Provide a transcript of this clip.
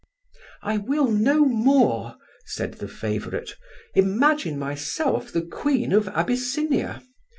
"I will no more," said the favourite, "imagine myself the Queen of Abyssinia.